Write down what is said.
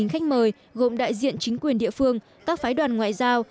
hơn một khách mời gồm đại diện chính quyền địa phương các phái đoàn ngoại giao